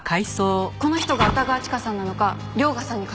この人が歌川チカさんなのか涼牙さんに確認したんです。